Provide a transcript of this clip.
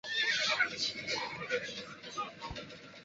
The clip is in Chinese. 埃姆利教区的主教堂位于蒂珀雷里郡的埃姆利。